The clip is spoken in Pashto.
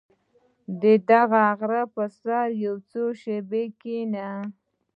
• د غره پر سر یو څو شېبې کښېنه.